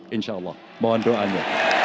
insya allah mohon doanya